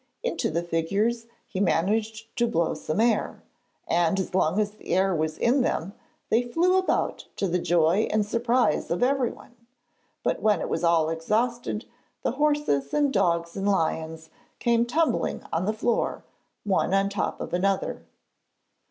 Into the figures he managed to blow some air, and as long as the air was in them they flew about to the joy and surprise of everyone, but when it was all exhausted the horses and dogs and lions came tumbling on the floor, one on top of another.